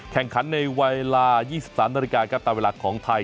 แข่งขันในเวลา๒๓นาฬิกาครับตามเวลาของไทย